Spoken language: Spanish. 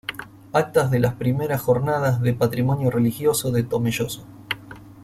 Actas de las I Jornadas de Patrimonio Religioso de Tomelloso".